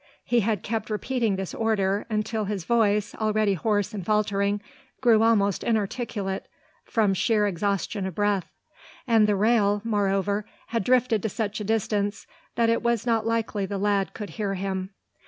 He had kept repeating this order, until his voice, already hoarse and faltering, grew almost inarticulate from sheet exhaustion of breath, and the rail, moreover, had drifted to such a distance that it was not likely the lad could hear him.